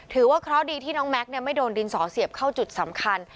ถือว่าเคราะห์ดีที่น้องแม็กซ์ไม่โดนดินสอเสียบเข้าจุดสำคัญ